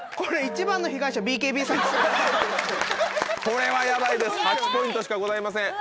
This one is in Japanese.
これはヤバいです８ポイントしかございません。